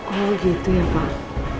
oh gitu ya pak